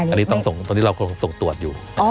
อันนี้ต้องส่งตรวจอยู่